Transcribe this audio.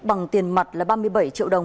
bằng tiền mặt là ba mươi bảy triệu đồng